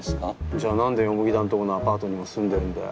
じゃあ何で田んとこのアパートにも住んでるんだよ？